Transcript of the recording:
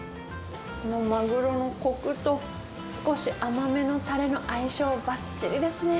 このマグロのこくと少し甘めのたれの相性ばっちりですね。